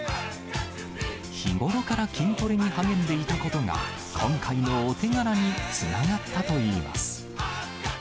日頃から筋トレに励んでいたことが、今回のお手柄につながったといいます。